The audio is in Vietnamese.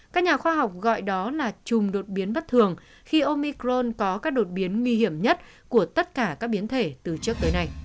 các nhà khoa học gọi đó là chùm đột biến bất thường khi omicron có các đột biến nguy hiểm nhất của tất cả các biến thể từ trước tới nay